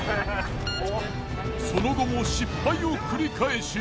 その後も失敗を繰り返し。